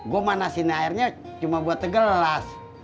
gue manasin airnya cuma buat segelas